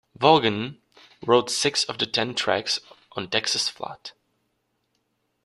Vaughan wrote six of the ten tracks on "Texas Flood".